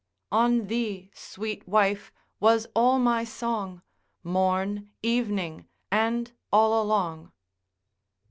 On thee sweet wife was all my song. Morn, evening, and all along.